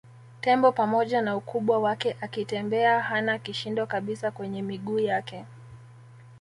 Tembo pamoja na ukubwa wake akitembea hana kishindo kabisa kwenye miguu yake